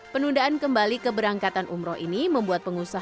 penundaan kembali keberangkatan umroh ini membuat pengusaha